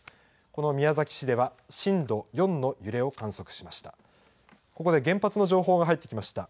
この宮崎市では、震度４の揺れを観測しました。